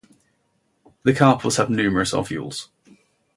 The carpels have numerous ovules.